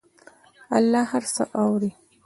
الله هر څه اوري.